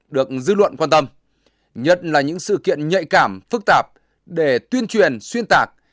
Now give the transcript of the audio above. được dư luận quan tâm nhất là những sự kiện nhạy cảm phức tạp để tuyên truyền xuyên tạc